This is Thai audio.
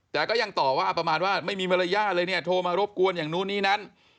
แต่ก็ยังต่อว่าประมาณว่าไม่มีมารยาทเลยเนี่ยโทรมารบกวนอย่างนู้นนี้นั้น